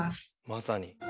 まさに。